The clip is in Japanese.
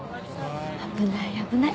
危ない危ない。